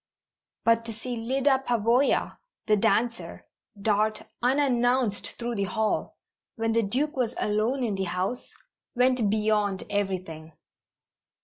But to see Lyda Pavoya, the dancer, dart unannounced through the hall, when the Duke was alone in the house, went beyond everything.